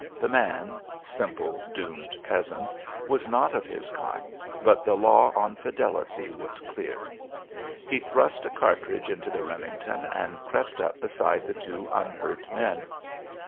The man simple doomed peasant was not of his kind, but the law on fidelity was clear. He thrust a cartridge into the Remington and crept up beside the two unhurt men.